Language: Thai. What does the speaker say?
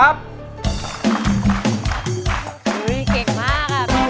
หนูรู้สึกดีมากเลยค่ะ